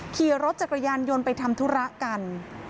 ขี่รถจักรยานยนต์ไปทำธุระกัน